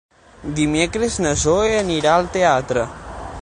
Dimecres na Zoè anirà al teatre.